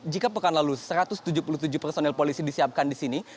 jika pekan lalu satu ratus tujuh puluh tujuh personil polisi disiapkan di sini